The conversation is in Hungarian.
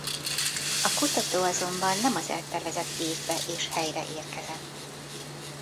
A kutató azonban nem az eltervezett évbe és helyre érkezett.